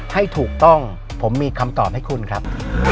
ให้ถูกต้องผมมีคำตอบให้คุณครับ